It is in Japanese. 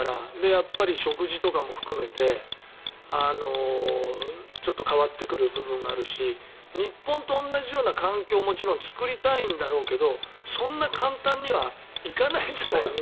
やっぱり食事とかも含めてちょっと変わってくる部分があるし日本と同じような環境をもちろん作りたいんだろうけどそんな簡単にはいかないんじゃないかな